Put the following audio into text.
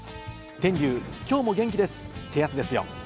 天龍、今日も元気です！ってやつですよ。